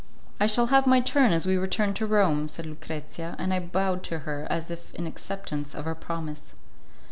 "I shall have my turn as we return to Rome," said Lucrezia; and I bowed to her as if in acceptance of her promise.